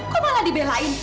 kok malah dibelain